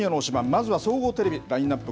まずは総合テレビラインアップ